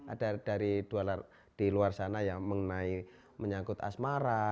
ada dari di luar sana yang mengenai menyangkut asmara